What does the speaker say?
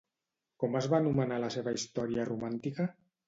Com es va anomenar la seva història romàntica?